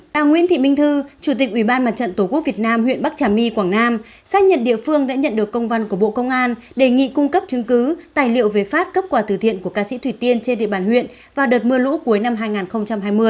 bà nguyễn thị minh thư chủ tịch ủy ban mặt trận tổ quốc việt nam huyện bắc trà my quảng nam xác nhận địa phương đã nhận được công văn của bộ công an đề nghị cung cấp chứng cứ tài liệu về phát cấp quà từ thiện của ca sĩ thủy tiên trên địa bàn huyện vào đợt mưa lũ cuối năm hai nghìn hai mươi